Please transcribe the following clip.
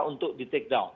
untuk di take down